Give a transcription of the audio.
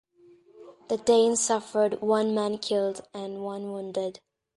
The Danes suffered one man killed and one wounded.